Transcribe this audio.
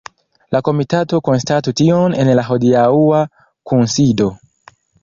La komitato konstatu tion en la hodiaŭa kunsido.